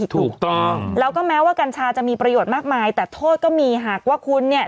ถูกต้องแล้วก็แม้ว่ากัญชาจะมีประโยชน์มากมายแต่โทษก็มีหากว่าคุณเนี่ย